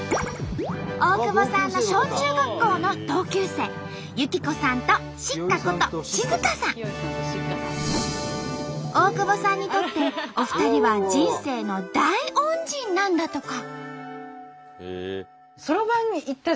大久保さんの小中学校の同級生大久保さんにとってお二人は人生の大恩人なんだとか。